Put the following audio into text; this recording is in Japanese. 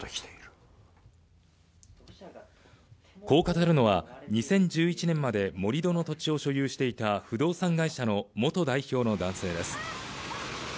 こう語るのは２０１１年まで盛り土の土地を所有していた不動産会社の元代表の男性です